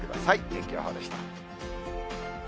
天気予報でした。